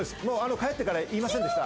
帰ってから言いませんでした？